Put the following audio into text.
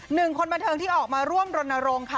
หนึ่งคนบันเทิงที่ออกมาร่วมรณรงค์ค่ะ